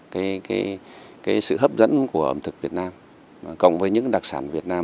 cái cái cái sự hấp dẫn của ẩm thực việt nam cộng với những đặc sản việt nam